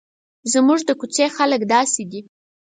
زموږ د کوڅې خلک داسې دي.